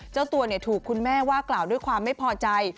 เจ้าตัวถูกคุณแม่ว่ากล่าวด้วยความไม่พอใจ